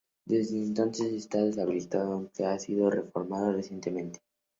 Desde entonces está deshabitado, aunque ha sido reformado recientemente.